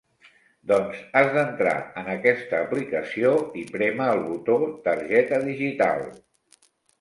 Doncs has d'entrar en aquesta aplicació i prémer el botó "targeta digital".